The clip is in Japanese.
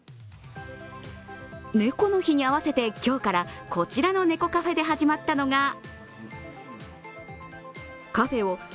猫の日に合わせて今日からこちらの猫カフェで始まったのが